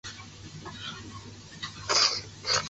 卷盔鲨属是角鲨科下的一属鲨鱼。